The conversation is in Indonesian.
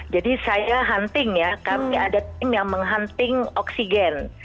jadi saya hunting ya kami ada tim yang menghunting oksigen